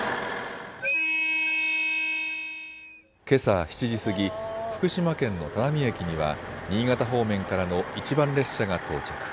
けさ７時過ぎ、福島県の只見駅には新潟方面からの１番列車が到着。